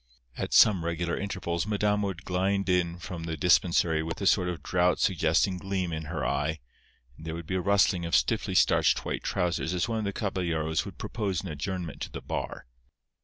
At somewhat regular intervals Madama would glide in from the dispensary with a sort of drought suggesting gleam in her eye, and there would be a rustling of stiffly starched white trousers as one of the caballeros would propose an adjournment to the bar.